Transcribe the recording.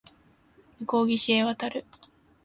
向こう岸へ渡る